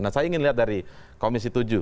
nah saya ingin lihat dari komisi tujuh